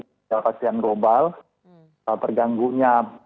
karena pergantungan global perganggunya